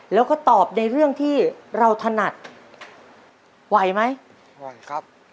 แล้วก็ตอบในเรื่องที่เราถนัดไหวไหมไหวครับ